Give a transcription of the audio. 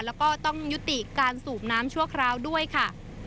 แล้วก็ต้องยุติการสูบน้ำชั่วคราวด้วยค่ะ